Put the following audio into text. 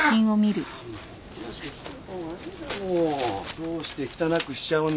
どうして汚くしちゃうんですか？